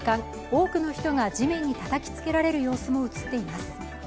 多くの人が地面にたたきつけられる様子も映っています。